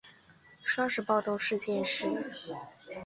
双十暴动事件是徙置事务处职员与居民争执引起。